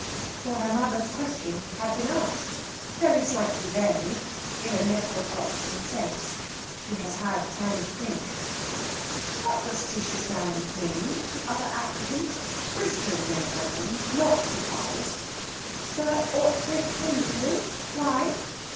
For her mother's question had been asked, very slightly varied, in a nettle grasping sense. She has had time to think. "What was Tishy's man's name the other applicant? Christian name, I mean; not his father's." "Sir Oughtred Penderfield. Why?"